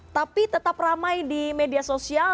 tapi tetap ramai di media sosial